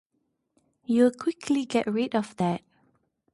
You quickly get rid of that.